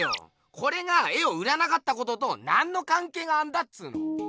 これが絵を売らなかったことと何のかんけいがあんだっつーの！